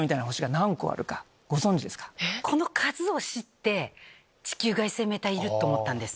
この数を知って地球外生命体いるって思ったんです。